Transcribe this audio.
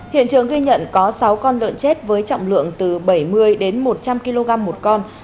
hiện trường ghi nhận có sáu con lợn chết với trọng lượng từ bảy mươi đến một trăm linh kg một con